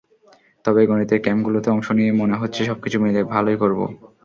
তবে গণিতের ক্যাম্পগুলোতে অংশ নিয়ে মনে হচ্ছে সবকিছু মিলে ভালোই করব।